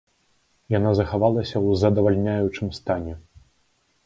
Яна захавалася ў задавальняючым стане.